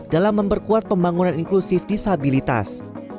dalam memperkuat pembangunan inklusif disabilitas